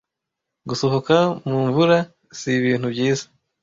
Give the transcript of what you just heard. gusohoka mu mvura sibinu byiza